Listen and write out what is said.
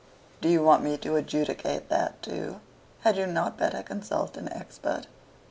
" "Do you want me to adjudicate that too? Had you not better consult an expert?"